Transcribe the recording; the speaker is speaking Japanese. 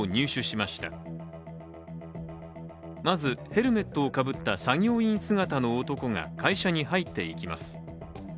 まず、ヘルメットをかぶった作業員姿の男が会社に入っていきます。